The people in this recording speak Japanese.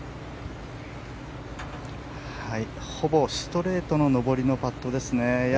ほぼストレートの上りのパットですね。